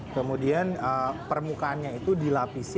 kemudian permukaannya itu dilapisi